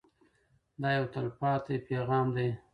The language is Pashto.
دا یو تلپاتې پیغام دی.